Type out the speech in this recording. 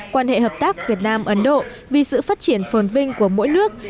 quan hệ hợp tác việt nam ấn độ vì sự phát triển phồn vinh của mỗi nước